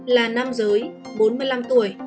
là nam giới bốn mươi năm tuổi